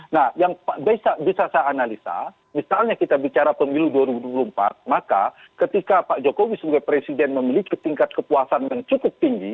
nah yang bisa saya analisa misalnya kita bicara pemilu dua ribu dua puluh empat maka ketika pak jokowi sebagai presiden memiliki tingkat kepuasan yang cukup tinggi